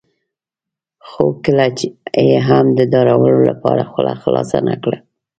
خو کله یې هم د داړلو لپاره خوله خلاصه نه کړه.